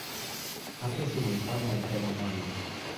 akesi li pana e telo moli.